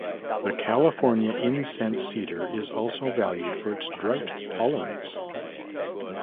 The California incense cedar is also valued for its drought tolerance.